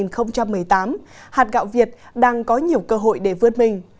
trong năm hai nghìn một mươi tám hạt gạo việt đang có nhiều cơ hội để vươn mình